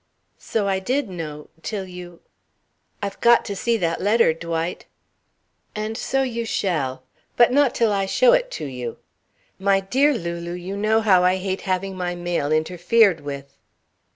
"So I did know till you I've got to see that letter, Dwight." "And so you shall. But not till I show it to you. My dear Lulu, you know how I hate having my mail interfered with."